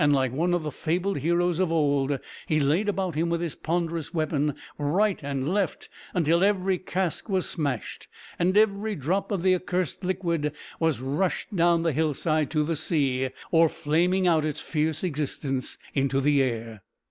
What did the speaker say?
Like one of the fabled heroes of old, he laid about him with his ponderous weapon right and left until every cask was smashed, and every drop of the accursed liquid was rushing down the hillside to the sea, or flaming out its fierce existence in the air.